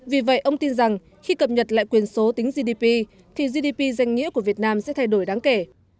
vì vậy ông tin rằng khi cập nhật lại quyền số tính gdp thì gdp danh nghĩa của việt nam sẽ thay đổi đáng kể